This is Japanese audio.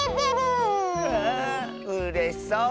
うれしそう！